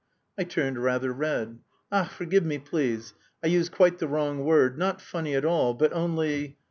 I turned rather red. "Ach, forgive me, please. I used quite the wrong word: not funny at all, but only..."